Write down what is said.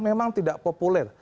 memang tidak populer